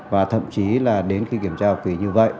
và thậm chí là đến khi kiểm tra học kỳ như vậy